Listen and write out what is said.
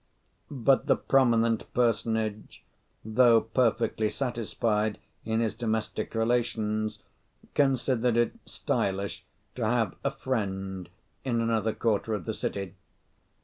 But the prominent personage, though perfectly satisfied in his domestic relations, considered it stylish to have a friend in another quarter of the city.